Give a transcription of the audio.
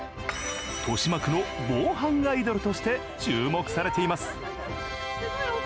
豊島区の防犯アイドルとして注目されています。